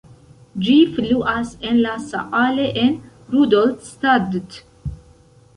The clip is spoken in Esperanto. Ĝi fluas en la Saale en Rudolstadt.